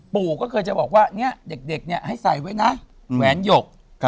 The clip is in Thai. ปู่ก็เคยจะบอกว่าเนี่ยเด็กให้ใส่ไว้นะแหวนหยก